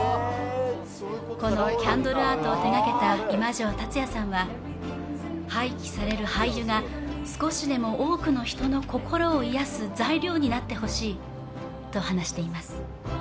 このキャンドルアートを手がけた今城竜也さんは廃棄される廃油が少しでも多くの人の心を癒やす材料になってほしいと話しています。